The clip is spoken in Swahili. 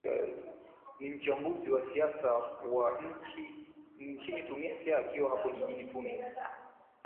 ni mchambuzi wa siasa wa nchini tunisia akiwa hapo jijini tunis